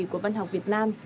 của văn học việt nam